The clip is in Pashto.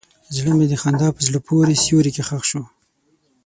زړه مې د خندا په زړه پورې سیوري کې ښخ شو.